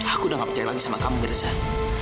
aku udah ga percaya lagi sama kamu zah